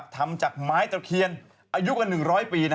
ทำจากไม้ตะเคียนอายุกว่า๑๐๐ปี